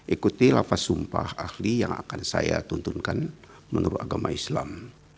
ikuti lapas sumpah ahli yang akan saya tuntunkan menurut agama islam